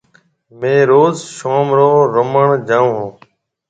ميه روز شوم رو روُمڻ جاون هون۔